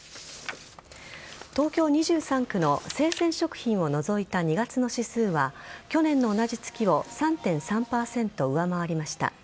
東京２３区の生鮮食品を除いた２月の指数は去年の同じ月を３．３％上回りました。